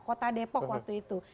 kota depok waktu itu